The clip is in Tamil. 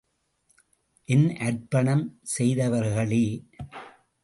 என் அர்ப்பணம் செய்தவர்களே!